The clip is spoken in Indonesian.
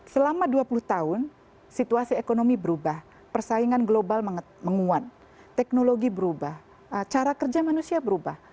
selama dua puluh tahun situasi ekonomi berubah persaingan global menguat teknologi berubah cara kerja manusia berubah